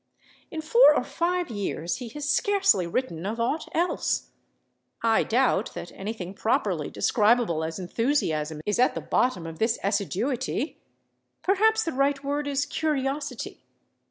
In four or five years he has scarcely written of aught else. I doubt that anything properly describable as enthusiasm is at the bottom of this assiduity; perhaps the right word is curiosity.